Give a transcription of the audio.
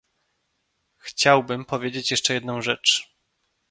Chciałbym powiedzieć jeszcze jedną rzecz